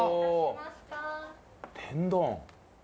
天丼。